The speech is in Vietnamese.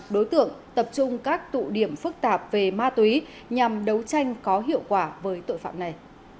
đối tượng tập trung các tụ điểm phức tạp về ma túy nhằm đấu tranh có hiệu quả với tội phạm này